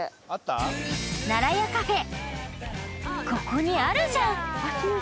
ここにあるじゃん！